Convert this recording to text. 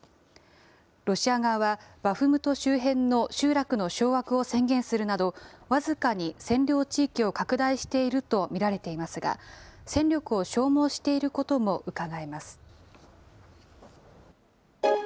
ロシア側は、バフムト周辺の集落の掌握を宣言するなど、僅かに占領地域を拡大していると見られていますが、戦力を消耗していることもうかがえます。